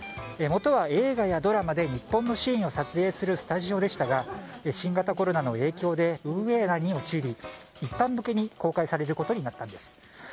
もとは映画やドラマで日本のシーンを撮影するスタジオでしたが新型コロナの影響で運営難に陥り一般向けに公開されることになったんです。